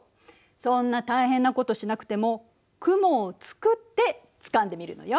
そんな大変なことしなくても雲をつくってつかんでみるのよ。